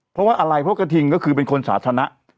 เพราะว่าอะไรเพราะกระทิงก็คือเป็นคนสาธารณะ